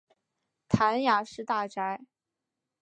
谭雅士大宅。